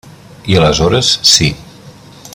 I aleshores sí.